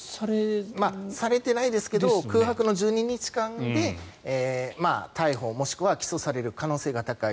されてないですけど空白の１２日間で逮捕もしくは起訴される可能性が高い。